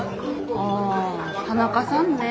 ああ田中さんね